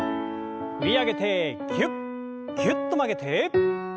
振り上げてぎゅっぎゅっと曲げて。